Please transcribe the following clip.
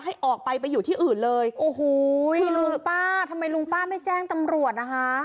ให้ออกไปไปอยู่ที่อื่นเลยโอ้โหลุงป้าทำไมลุงป้าไม่แจ้งตำรวจนะคะ